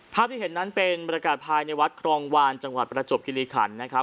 ภาพที่เห็นนั้นเป็นบรรยากาศภายในวัดครองวานจังหวัดประจวบคิริขันนะครับ